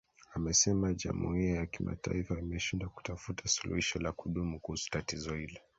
amesema jamuia ya kimataifa imeshindwa kutafuta suluhisho la kudumu kuhusu tatizo hilo